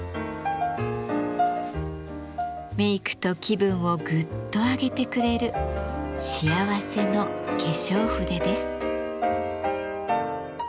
メイクと気分をグッと上げてくれる幸せの化粧筆です。